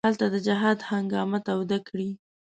هلته د جهاد هنګامه توده کړي.